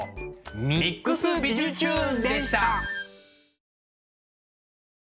「ＭＩＸびじゅチューン！」でした。